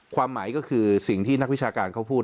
ความหมายก็คือสิ่งที่นักวิชาการเขาพูด